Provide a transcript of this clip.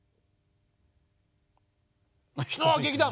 ああ劇団！